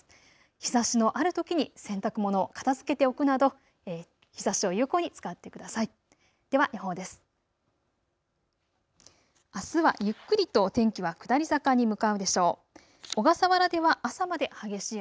日ざしのあるときに洗濯物を片づけておくなど日ざしを有効に使ってください。